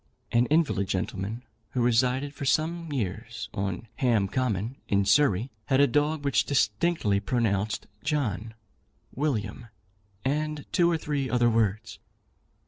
An invalid gentleman, who resided for some years on Ham Common, in Surrey, had a dog which distinctly pronounced John, William, and two or three other words.